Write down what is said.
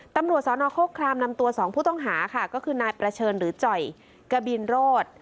ตำรวจสนโครครามนำตัว๒ผู้ต้องหาค่ะก็คือนายประเชิญหรือจ่อยกบินโรธ